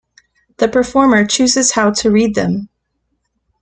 The performer chooses how to read them.